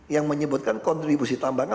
yang menyebutkan kontribusi tambahan